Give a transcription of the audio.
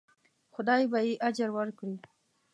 خدای به یې اجر ورکړي.